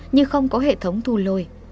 nhưng không có hệ thống thu lôi